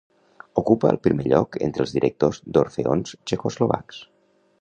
Ocupa el primer lloc entre els directors d'orfeons txecoslovacs.